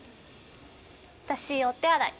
私お手洗い。